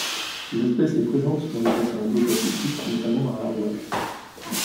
L'espèce est présente dans le bassin Indo-Pacifique, notamment à Hawaï.